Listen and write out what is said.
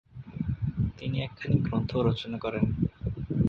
তিনি একখানি গ্রন্থও রচনা করেন।